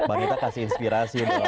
bangita kasih inspirasi